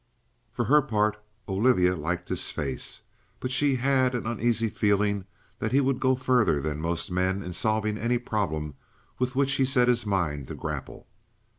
For her part, Olivia liked his face; but she had an uneasy feeling that he would go further than most men in solving any problem with which he set his mind to grapple.